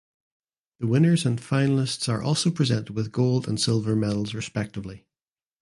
The winners and finalists are also presented with gold and silver medals respectively.